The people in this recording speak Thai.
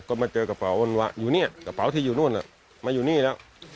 ก็มาเจอกระเป๋าอยู่เนี่ยกระเป๋าที่อยู่นู่นมาอยู่นี่แล้ว